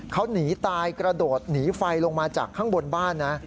เขาหนีตายกระโดดหนีไฟลงมาจากข้างบนบ้านนะ